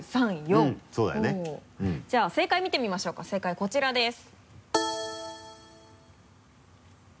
じゃあ正解見てみましょうか正解はこちらです。